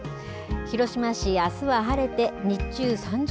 広島市、あすは晴れて、日中３０